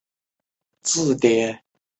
生于兰开夏郡奥尔德姆。